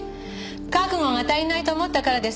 覚悟が足りないと思ったからです。